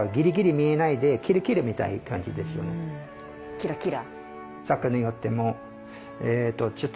キラキラ。